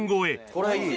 これはいい。